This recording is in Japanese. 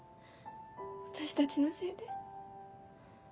私たちのせいで。